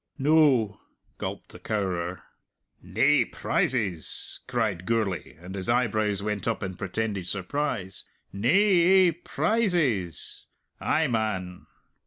"No," gulped the cowerer. "Nae prizes!" cried Gourlay, and his eyebrows went up in a pretended surprise. "Nae ae prizes! Ay, man!